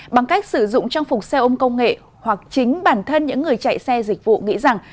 bằng cách sử dụng trang phục xe ôm công nghệ hoặc chính bản thân những người chạy xe dịch vụ nghĩ rằng